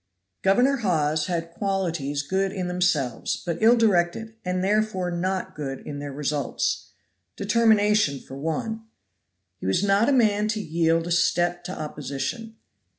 GOVERNOR HAWES had qualities good in themselves, but ill directed, and therefore not good in their results determination for one. He was not a man to yield a step to opposition.